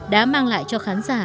đã mang lại cho khán giả